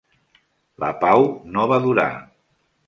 La pau no va durar.